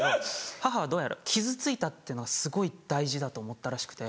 母はどうやら「傷ついた」っていうのがすごい大事だと思ったらしくて。